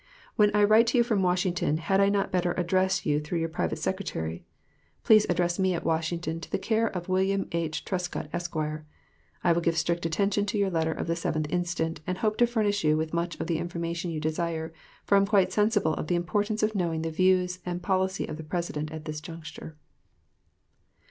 When I write to you from Washington, had I not better address you through your private secretary ... Please address me at Washington to the care of Wm. H. Trescott, Esq. ... I will give strict attention to your letter of the 7th inst., and hope to furnish you with much of the information you desire, for I am quite sensible of the importance of knowing the views and policy of the President at this juncture.